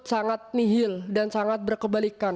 sangat nihil dan sangat berkebalikan